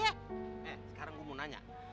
eh sekarang gue mau nanya